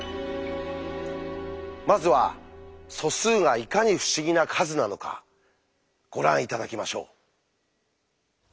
まずは素数がいかに不思議な数なのかご覧頂きましょう。